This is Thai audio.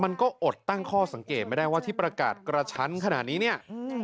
มันก็อดตั้งข้อสังเกตไม่ได้ว่าที่ประกาศกระชั้นขนาดนี้เนี่ย